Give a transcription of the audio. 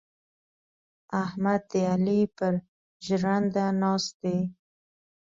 احمد د علي پر ژرنده ناست دی.